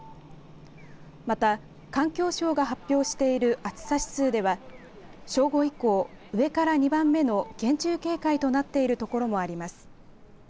また環境省が発表している暑さ指数では正午以降、上から２番目の厳重警戒となっている所もあります。